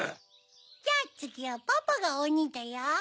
じゃあつぎはパパがおにだよ。